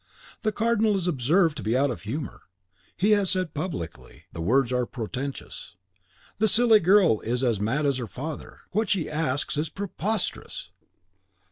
The Cardinal is observed to be out of humour. He has said publicly, and the words are portentous, "The silly girl is as mad as her father; what she asks is preposterous!"